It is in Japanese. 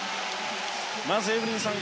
まずはエブリンさん